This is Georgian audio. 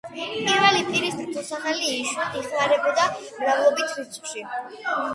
პირველი პირის ნაცვალსახელი იშვიათად იხმარებოდა მრავლობით რიცხვში.